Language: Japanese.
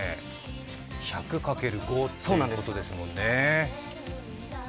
１００×５ってことですもんね。